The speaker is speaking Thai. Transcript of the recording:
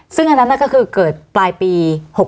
ซึ่งอันนั้นก็คือเกิดปลายปี๖๖